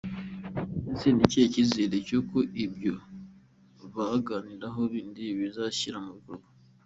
Ese ni ikihe cyizere cy’uko ibyo baganiraho bindi bizashyirwa mu bikorwa?”.